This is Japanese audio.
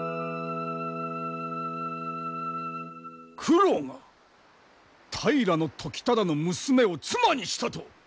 九郎が平時忠の娘を妻にしたと！？